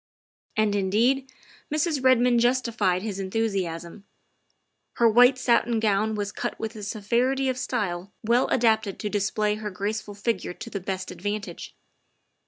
" And, indeed, Mrs. Redmond justified his enthusiasm. Her white satin gown was cut with a severity of style well adapted to display her graceful figure to the best advantage.